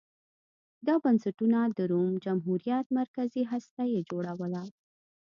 دا بنسټونه د روم جمهوریت مرکزي هسته یې جوړوله